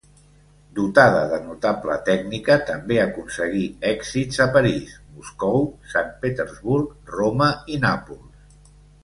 Dotada de notable tècnica, també aconseguí èxits a París, Moscou, sant Petersburg, Roma i Nàpols.